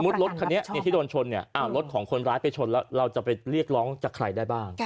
รถคันนี้ที่โดนชนเนี่ยรถของคนร้ายไปชนแล้วเราจะไปเรียกร้องจากใครได้บ้าง